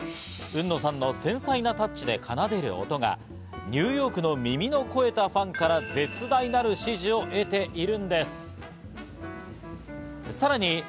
海野さんの繊細なタッチで奏でる音が、ニューヨークの耳の肥えたファンから絶大なる支持を得ているんです。